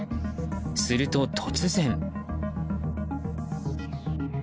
すると突然。